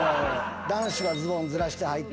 男子はズボンずらしてはいて。